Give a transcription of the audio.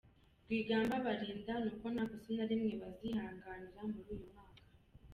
Rwigamba Balinda ni uko nta kosa na rimwe bazihanganira muri uyu mwaka.